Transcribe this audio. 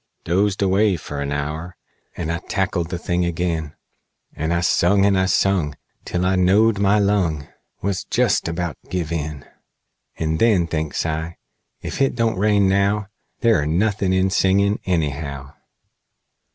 "Dozed away fer an hour, And I tackled the thing agin; And I sung, and sung, Till I knowed my lung Was jest about give in; And then, thinks I, ef hit don't rain now, There're nothin' in singin', anyhow!